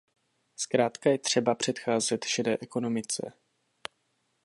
Zkrátka je třeba předcházet šedé ekonomice.